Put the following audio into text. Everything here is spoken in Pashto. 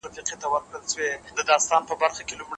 خجالت او پښيماني د چا په برخه کيږي؟